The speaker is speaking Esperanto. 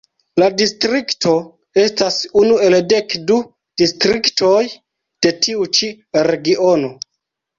La distrikto estas unu el dek du distriktoj de tiu ĉi Regiono.